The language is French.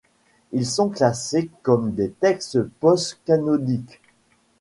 Ils sont classés comme des textes post-canoniques.